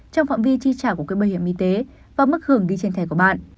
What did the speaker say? trong phạm vi chi trả của quỹ bảo hiểm y tế và mức hưởng ghi trên thẻ của bạn